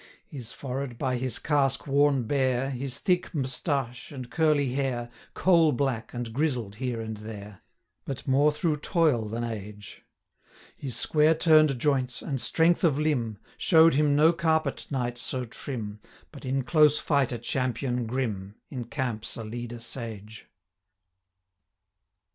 His forehead by his casque worn bare, 70 His thick mustache, and curly hair, Coal black, and grizzled here and there, But more through toil than age; His square turn'd joints, and strength of limb, Show'd him no carpet knight so trim, 75 But in close fight a champion grim, In camps a leader sage.